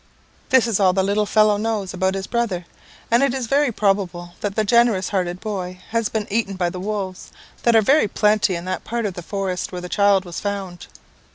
"This is all the little fellow knows about his brother; and it is very probable that the generous hearted boy has been eaten by the wolves that are very plenty in that part of the forest where the child was found.